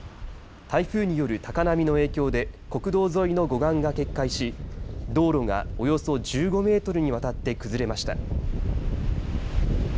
台風による高波の影響で国道沿いの護岸が決壊し道路がおよそ１５メートルにわたって崩れました。